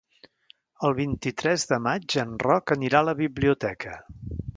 El vint-i-tres de maig en Roc anirà a la biblioteca.